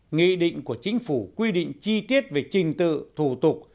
nghị định của chính phủ quy định chi tiết về trình tự thủ tục